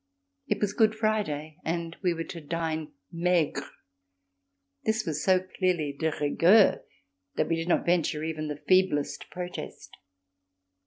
It was Good Friday, and we were to dine maigre; this was so clearly de rigueur that we did not venture even the feeblest protest.